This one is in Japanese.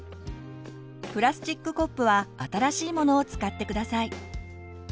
プラスチックコップは新しいものを使って下さい。